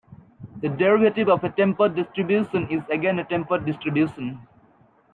The derivative of a tempered distribution is again a tempered distribution.